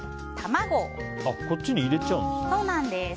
こっちに入れちゃうんですね。